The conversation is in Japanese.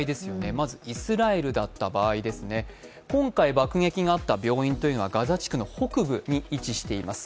まずイスラエルだった場合、今回、爆撃があった場合はガザ地区の北部に位置しています。